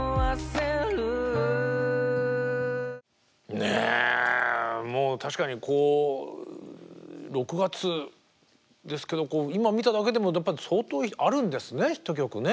ねえもう確かにこう６月ですけど今見ただけでもやっぱり相当あるんですねヒット曲ね。